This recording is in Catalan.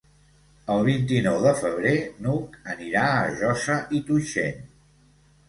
El vint-i-nou de febrer n'Hug anirà a Josa i Tuixén.